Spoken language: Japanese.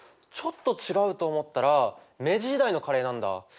ちょっと違うと思ったら明治時代のカレーなんだ。